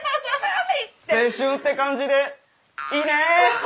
青春って感じでいいね。